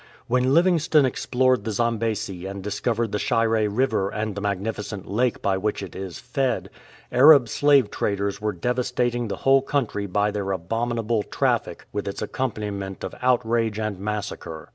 When Livingstone explored the Zambesi and discovered the Shire River and the magnifi cent lake by which it is fed, Arab slave raiders were devastating the whole country by their abominable traffic with its accompaniment of outrage and massacre.